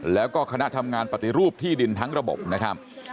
แล้วก็คณะทำงานปฏิรูปที่ดินทั้งระบบนะครับ